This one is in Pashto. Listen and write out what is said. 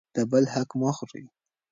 د بل حق مه خورئ.